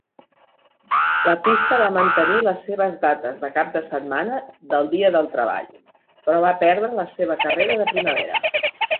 La pista va mantenir les seves dates de cap de setmana del Dia del Treball, però va perdre la seva carrera de primavera.